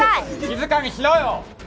静かにしろよ！